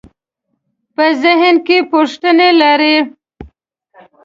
په ذهن کې پوښتنې لرئ؟